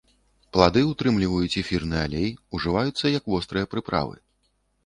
Плады ўтрымліваюць эфірны алей, ужываюцца як вострыя прыправы.